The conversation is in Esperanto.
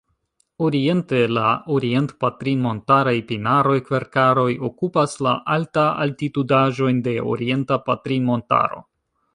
Oriente, la orient-patrinmontaraj pinaroj-kverkaroj okupas la alta-altitudaĵojn de Orienta Patrinmontaro.